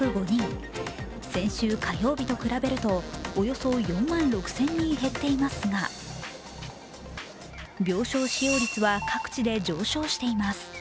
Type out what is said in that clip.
先週火曜日と比べると、およそ４万６０００人減っていますが、病床使用率は各地で上昇しています。